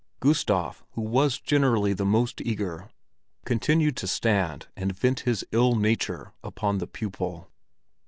Gustav, who was generally the most eager, continued to stand and vent his ill nature upon the pupil.